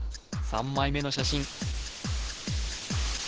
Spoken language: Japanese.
３枚目の写真